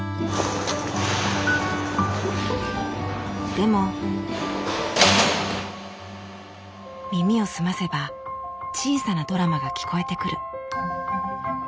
でも耳を澄ませば小さなドラマが聞こえてくる。